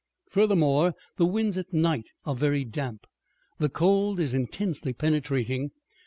Furthermore, the winds at night are very damp; the cold is intensely penetrating.